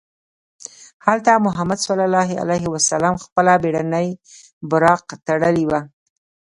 هلته محمد صلی الله علیه وسلم خپله بېړنۍ براق تړلې وه.